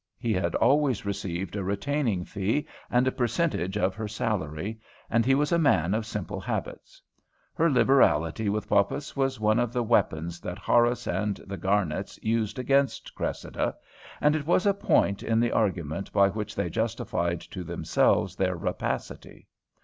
He had always received a retaining fee and a percentage of her salary, and he was a man of simple habits. Her liberality with Poppas was one of the weapons that Horace and the Garnets used against Cressida, and it was a point in the argument by which they justified to themselves their rapacity.